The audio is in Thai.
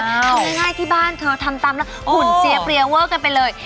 เอาง่ายที่บ้านเธอทำตามแล้วหุ่นเสียเปรียเวอร์กันไปเลย